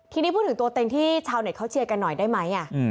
ทีนี้พูดถึงตัวเต็งที่ชาวเน็ตเขาเชียร์กันหน่อยได้ไหม